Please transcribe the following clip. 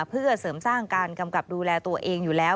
เพื่อเสริมสร้างการกำกับดูแลตัวเองอยู่แล้ว